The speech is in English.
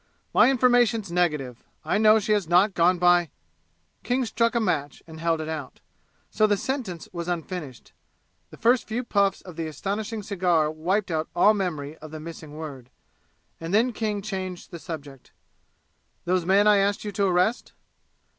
My information's negative. I know she has not gone by " King struck a match and held it out, so the sentence was unfinished; the first few puffs of the astonishing cigar wiped out all memory of the missing word. And then King changed the subject. "Those men I asked you to arrest